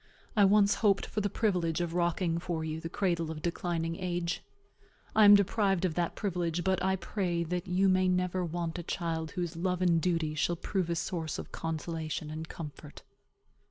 I once hoped for the privilege of rocking for you the cradle of declining age. I am deprived of that privilege; but I pray that you may never want a child whose love and duty shall prove a source of consolation and comfort.